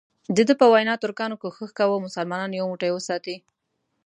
دده په وینا ترکانو کوښښ کاوه مسلمانان یو موټی وساتي.